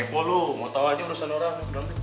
kepo lo mau tau aja urusan orang